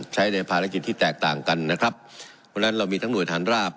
ใช้ในภารกิจที่แตกต่างกันนะครับเพราะฉะนั้นเรามีทั้งหน่วยฐานราบ